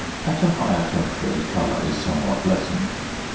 ~ At a higher temperature the colour is somewhat lessened.